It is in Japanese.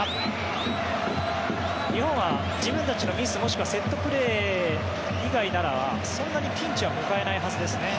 日本は自分たちのミスもしくはセットプレー以外ならそんなにピンチは迎えないはずですね。